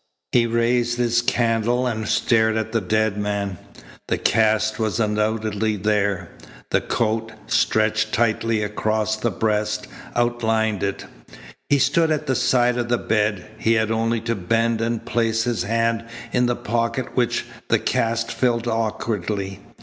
He raised his candle and stared at the dead man. The cast was undoubtedly there. The coat, stretched tightly across the breast, outlined it. He stood at the side of the bed. He had only to bend and place his hand in the pocket which the cast filled awkwardly.